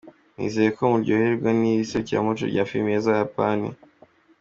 Nizeye ko muryoherwa n’iri serukiramuco rya filime z’Abayapani.